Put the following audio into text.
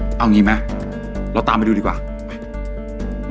เอาอย่างงี้แม่เราตามไปดูดีกว่าไป